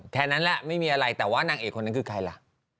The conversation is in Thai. แทนนะแหละไม่มีอะไรแต่วะนางเอกนนั้นคือใครละ